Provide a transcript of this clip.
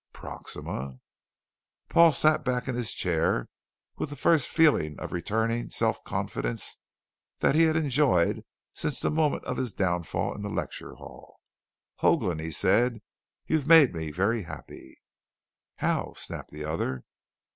"Proxima?" Paul sat back in his chair with the first feeling of returning self confidence that he had enjoyed since the moment of his downfall in the lecture hall. "Hoagland," he said, "you've made me very happy." "How?" snapped the other.